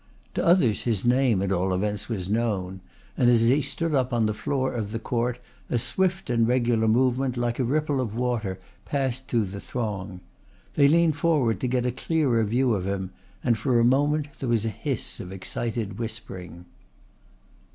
To the others his name, at all events, was known, and as he stood up on the floor of the court a swift and regular movement like a ripple of water passed through the throng. They leant forward to get a clearer view of him and for a moment there was a hiss of excited whispering.